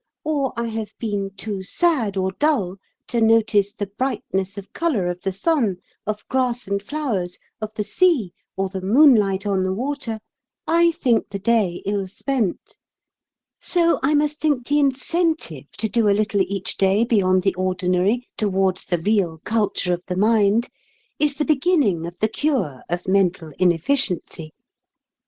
or I have been too sad or dull to notice the brightness of colour of the sun, of grass and flowers, of the sea, or the moonlight on the water, I think the day ill spent. So I must think the incentive to do a little each day beyond the ordinary towards the real culture of the mind, is the beginning of the cure of mental inefficiency."